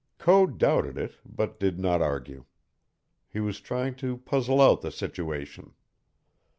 Code doubted it, but did not argue. He was trying to puzzle out the situation.